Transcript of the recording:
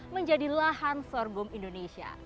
menjadi lahan sorghum indonesia